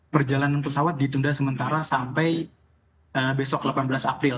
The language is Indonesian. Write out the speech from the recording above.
perjalanan pesawat ditunda sementara sampai besok delapan belas april